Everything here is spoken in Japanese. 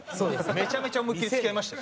めちゃめちゃ思いっ切り付き合いました。